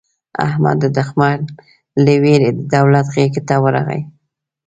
احمد د دوښمن له وېرې د دولت غېږې ته ورغی.